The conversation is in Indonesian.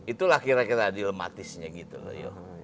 itulah kira kira dilematisnya gitu rio